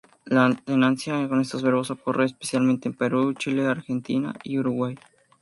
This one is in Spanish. La alternancia con estos verbos ocurre especialmente en Perú, Chile, Argentina y Uruguay.